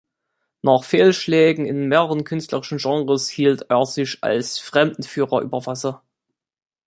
Nach Fehlschlägen in mehreren künstlerischen Genres hielt er sich als Fremdenführer über Wasser.